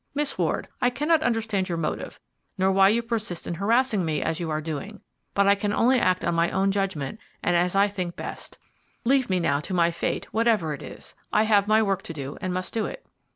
"Miss Ward, I cannot understand your motive, nor why you persist in harassing me as you are doing, but I can only act on my own judgment and as I think best Leave me now to my fate, whatever it is. I have my work to do and must do it."